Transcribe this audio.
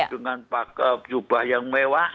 dengan cubah yang mewah